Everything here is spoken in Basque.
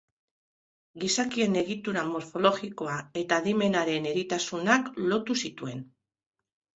Gizakien egitura morfologikoa eta adimenaren eritasunak lotu zituen.